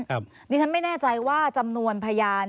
ดิฉันไม่แน่ใจว่าจำนวนพยาน